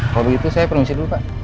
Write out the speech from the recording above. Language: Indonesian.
kalau begitu saya premisi dulu pak